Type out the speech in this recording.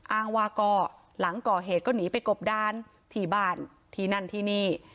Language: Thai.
อ้างว่าก็หลังก่อเหตุก็หนีไปกบดานที่บ้านที่นั่นที่นี่